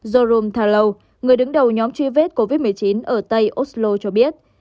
joram thalau người đứng đầu nhóm truy vết covid một mươi chín ở tây oslo cho biết